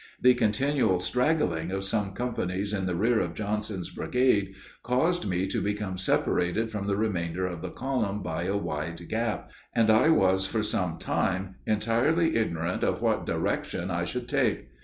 The continual straggling of some companies in the rear of Johnson's brigade caused me to become separated from the remainder of the column by a wide gap, and I was for some time entirely ignorant of what direction I should take.